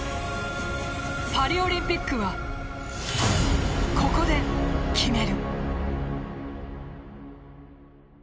パリオリンピックはココで、決める。